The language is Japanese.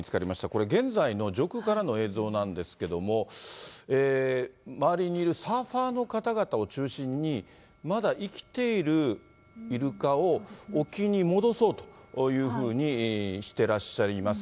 これ、現在の上空からの映像なんですけれども、周りにいるサーファーの方々を中心に、まだ生きているイルカを沖に戻そうというふうにしていらっしゃいます。